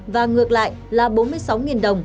và ngược lại là bốn mươi sáu đồng